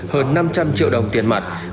hơn năm trăm linh triệu đồng tiền mặt